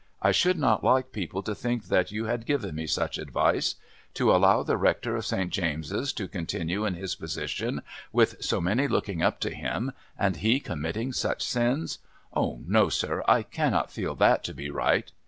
I should not like people to think that you had given me such advice. To allow the Rector of St. James' to continue in his position, with so many looking up to him, and he committing such sins. Oh, no, sir, I cannot feel that to be right!"